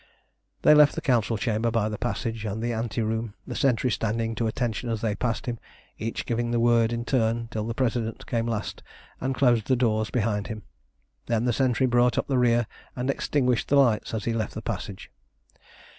They left the Council chamber by the passage and the ante room, the sentry standing to attention as they passed him, each giving the word in turn, till the President came last and closed the doors behind him. Then the sentry brought up the rear and extinguished the lights as he left the passage.